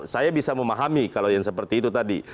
saya bisa memahami kalau yang seperti itu tadi